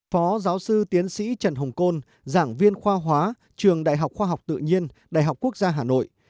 phó giáo sư tiến sĩ trần hùng côn giảng viên khoa hóa trường đại học khoa học tự nhiên đại học quốc gia hà nội